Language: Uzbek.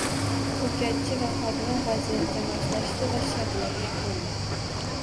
Ko‘katchi va xodima vaziyatga moslashdi va shartlarga ko‘ndi.